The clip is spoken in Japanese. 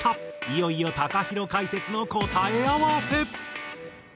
いよいよＴＡＫＡＨＩＲＯ解説の答え合わせ！